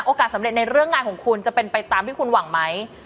สำเร็จในเรื่องงานของคุณจะเป็นไปตามที่คุณหวังไหม